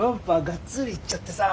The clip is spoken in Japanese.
がっつりいっちゃってさ。